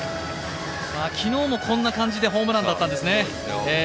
昨日もこんな感じでホームランだったんですね。